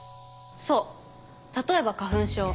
そう例えば花粉症